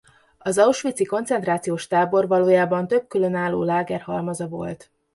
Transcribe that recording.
Az auschwitzi koncentrációs tábor valójában több különálló láger halmaza volt.